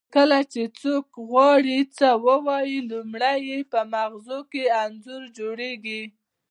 کله چې څوک غواړي څه ووایي لومړی یې په مغزو کې انځور جوړیږي